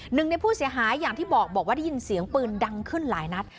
หนึ่งในผู้เสียหายอย่างที่บอกบอกว่าได้ยินเสียงปืนดังขึ้นหลายนัด